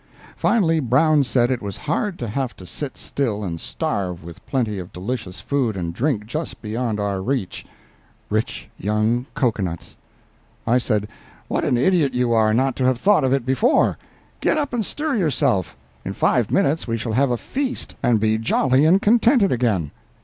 Finally Brown said it was hard to have to sit still and starve with plenty of delicious food and drink just beyond our reach—rich young cocoa nuts! I said, "what an idiot you are not to have thought of it before. Get up and stir yourself; in five minutes we shall have a feast and be jolly and contented again!"